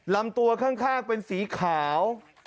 ลำตัวข้างเป็นสีขาว